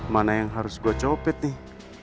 mana yang harus gue copet nih